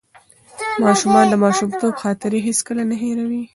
ماشومان د ماشومتوب خاطرې هیڅکله نه هېروي.